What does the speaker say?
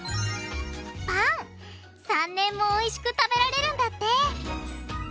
３年もおいしく食べられるんだって。